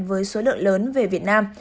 với số lượng lớn về việt nam